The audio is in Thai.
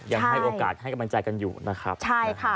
ยังให้โอกาสให้กำลังใจกันอยู่นะครับใช่ค่ะ